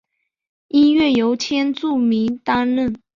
音乐由千住明担当。